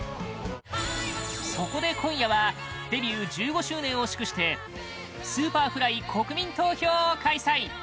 そこで今夜はデビュー１５周年を祝してＳｕｐｅｒｆｌｙ国民投票を開催！